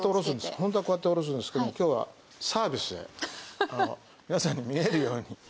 本当はこうやっておろすんですけど、きょうはサービスで、皆さんに見えるように。